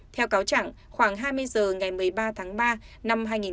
theo cáo chẳng khoảng hai mươi giờ ngày một mươi ba tháng ba